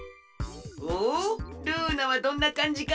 おっルーナはどんなかんじかの？